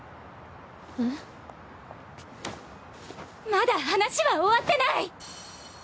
まだ話は終わってない！